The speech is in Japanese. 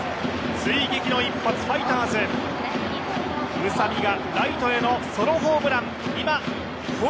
追撃の一発、ファイターズ、宇佐見がライトへのソロホームラン。